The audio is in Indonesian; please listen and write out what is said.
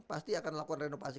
pasti akan lakukan renovasi